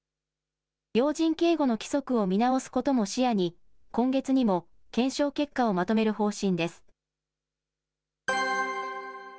要人警護の規則を見直すことも視野に、今月にも検証結果をまとめる方針です。